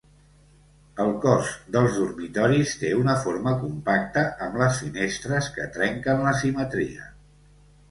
El cos dels dormitoris té una forma compacta amb les finestres que trenquen la simetria.